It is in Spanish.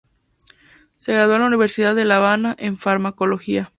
Se graduó en la Universidad de la Habana, en Farmacología.